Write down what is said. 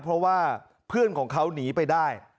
เพราะว่าเพื่อนของเขาหนีไปได้